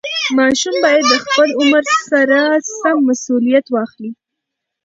ماشوم باید د خپل عمر سره سم مسوولیت واخلي.